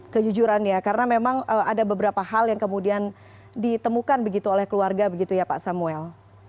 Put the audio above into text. kejujurannya karena memang ada beberapa hal yang kemudian ditemukan begitu oleh keluarga begitu ya pak samuel